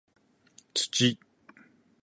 土